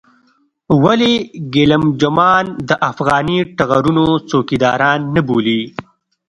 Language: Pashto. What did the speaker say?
ولې ګېلم جمان د افغاني ټغرونو څوکيداران نه بولې.